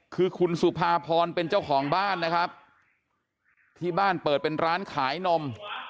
คือคุณสุภาพรเป็นเจ้าของบ้านนะครับที่บ้านเปิดเป็นร้านขายนม